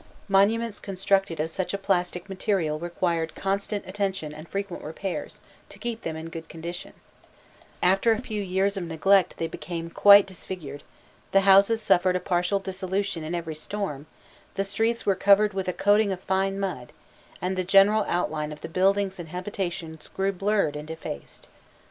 Monuments constructed of such a plastic material required constant attention and frequent repairs, to keep them in good condition: after a few years of neglect they became quite disfigured, the houses suffered a partial dissolution in every storm, the streets were covered with a coating of fine mud, and the general outline of the buildings and habitations grew blurred and defaced.